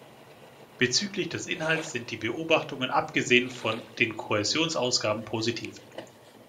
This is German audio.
Bezüglich des Inhalts sind die Beobachtungen, abgesehen von den Kohäsionsausgaben, positiv.